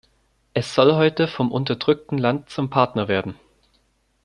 Es soll heute vom unterdrückten Land zum Partner werden.